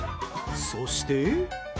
そして。